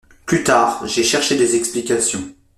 Plus tard, j’ai cherché des explications.